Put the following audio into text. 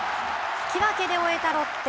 引き分けで終えたロッテ。